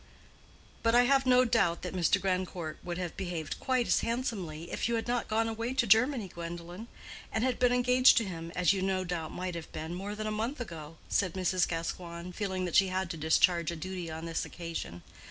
"But I have no doubt that Mr. Grandcourt would have behaved quite as handsomely if you had not gone away to Germany, Gwendolen, and had been engaged to him, as you no doubt might have been, more than a month ago," said Mrs. Gascoigne, feeling that she had to discharge a duty on this occasion.